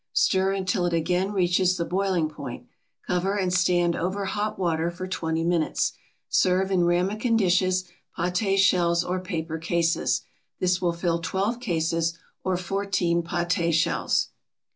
Stir until it again reaches the boiling point, cover and stand over hot water for twenty minutes. Serve in ramekin dishes, paté shells or paper cases. This will fill twelve cases, or fourteen paté shells.